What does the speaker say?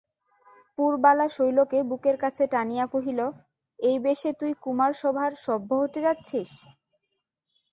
পুরবালা শৈলকে বুকের কাছে টানিয়া কহিল, এই বেশে তুই কুমারসভার সভ্য হতে যাচ্ছিস?